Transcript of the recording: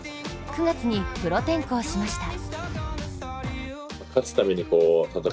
９月にプロ転向しました。